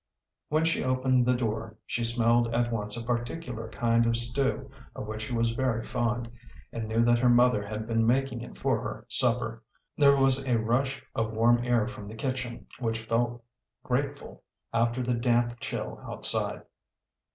When she opened the door, she smelled at once a particular kind of stew of which she was very fond, and knew that her mother had been making it for her supper. There was a rush of warm air from the kitchen which felt grateful after the damp chill outside.